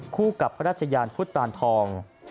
คู่กับพระราชยานพุทธตานทอง